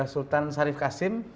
sultan sharif qasim